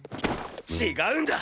違うんだ！